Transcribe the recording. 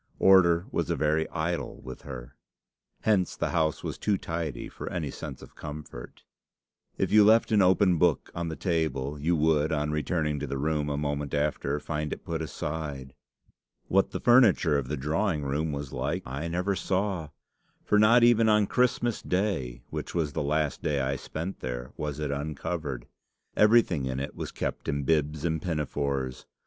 Order was a very idol with her. Hence the house was too tidy for any sense of comfort. If you left an open book on the table, you would, on returning to the room a moment after, find it put aside. What the furniture of the drawing room was like, I never saw; for not even on Christmas Day, which was the last day I spent there, was it uncovered. Everything in it was kept in bibs and pinafores.